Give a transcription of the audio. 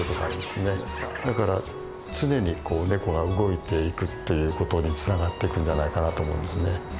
だから常にネコが動いていくっていうことにつながっていくんじゃないかなと思うんですね。